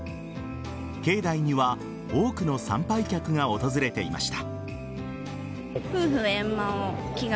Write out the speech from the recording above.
境内には多くの参拝客が訪れていました。